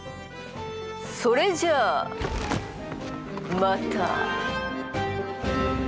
それじゃあまた！